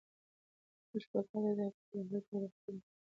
موږ به په ګډه دا باغ له هر ډول آفتونو څخه وژغورو.